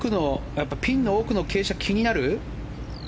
ピンの奥の傾斜、気になる？